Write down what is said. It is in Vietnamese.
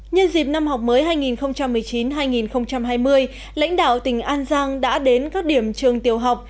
nhân dịp năm học mới hai nghìn một mươi chín hai nghìn hai mươi lãnh đạo tỉnh an giang đã đến các điểm trường tiểu học